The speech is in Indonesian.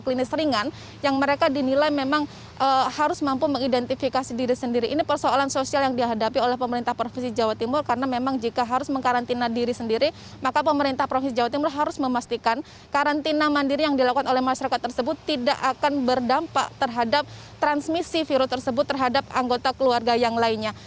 ini adalah sebuah persoalan sosial yang dihadapi oleh pemerintah provinsi jawa timur karena memang jika harus mengkarantina diri sendiri maka pemerintah provinsi jawa timur harus memastikan karantina mandiri yang dilakukan oleh masyarakat tersebut tidak akan berdampak terhadap transmisi virus tersebut terhadap anggota keluarga yang lainnya